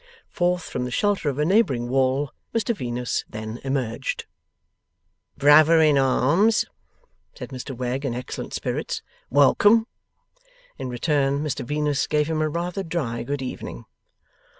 Forth from the shelter of a neighbouring wall, Mr Venus then emerged. 'Brother in arms,' said Mr Wegg, in excellent spirits, 'welcome!' In return, Mr Venus gave him a rather dry good evening.